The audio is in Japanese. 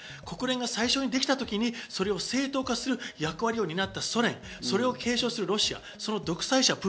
国連が最初にできた時にそれを正当化する役割を担ったソ連、それを継承するロシア、その独裁者